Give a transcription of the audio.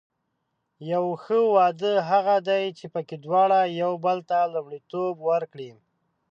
یو ښه واده هغه دی چې پکې دواړه یو بل ته لومړیتوب ورکړي.